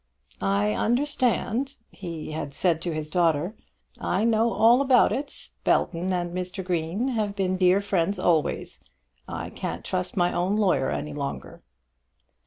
"I understand," he had said to his daughter. "I know all about it. Belton and Mr. Green have been dear friends always. I can't trust my own lawyer any longer."